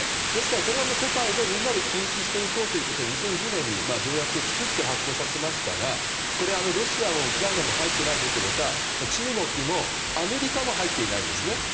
ですから、これは世界でみんなで禁止していこうということで、２０１０年に条約を作って発効させましたがロシアもウクライナも入っていないどころか中国もアメリカも入っていないんですね。